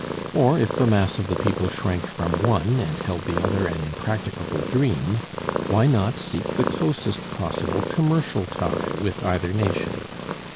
Or, if the mass of the people shrank from one and held the other an impracticable dream, why not seek the closest possible commercial tie with either nation?